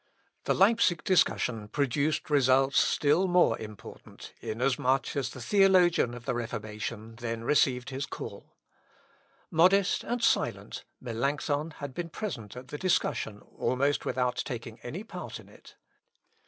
The Leipsic discussion produced results still more important, in as much as the theologian of the Reformation then received his call. Modest and silent, Melancthon had been present at the discussion almost without taking any part in it.